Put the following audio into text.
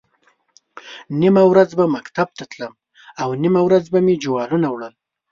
نیمه ورځ به مکتب ته تلم او نیمه ورځ به مې جوالونه وړل.